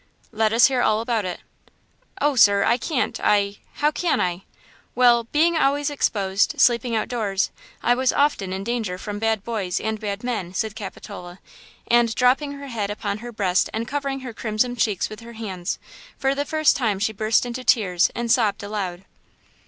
"Let us hear all about it." "Oh, sir, I can't–I– How can I? Well, being always exposed, sleeping outdoors, I was often in danger from bad boys and bad men," said Capitola, and, dropping her head upon her breast and covering her crimson cheeks with her hands, for the first time she burst into tears and sobbed aloud.